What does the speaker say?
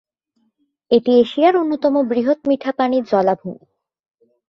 এটি এশিয়ার অন্যতম বৃহত্তম মিঠাপানির জলাভূমি।